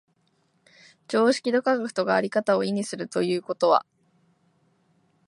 常識と科学とが在り方を異にするということは、